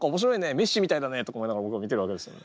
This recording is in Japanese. メッシみたいだね！」とか思いながら僕は見てるわけですよね。